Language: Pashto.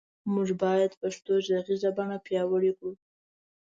مونږ باد پښتو غږیزه بڼه پیاوړی کړو